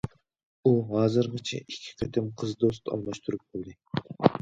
ئۇ ھازىرغىچە ئىككى قېتىم قىز دوست ئالماشتۇرۇپ بولدى.